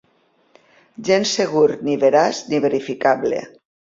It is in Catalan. Gens segur ni veraç ni verificable.